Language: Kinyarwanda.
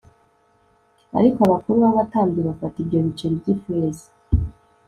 ariko abakuru b'abatambyi bafata ibyo biceri by'ifeza